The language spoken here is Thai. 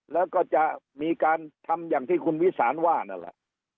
แล้วก็จะมีการทำอย่างที่คุณวิสานว่านั่นแหละ